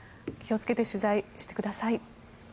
気をつけて取材をしてください。